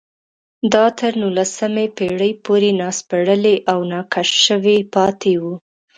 دا تر نولسمې پېړۍ پورې ناسپړلي او ناکشف شوي پاتې وو